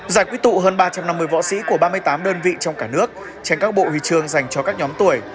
giải quyết tụ hơn ba trăm năm mươi võ sĩ của ba mươi tám đơn vị trong cả nước tránh các bộ huy trường dành cho các nhóm tuổi